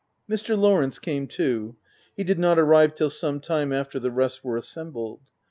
Mr. Lawrence came too. He did not arrive till some time after the rest were assembled.